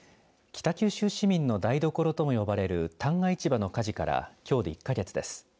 北九州市民の台所とも呼ばれる旦過市場の火事からきょうで１か月です。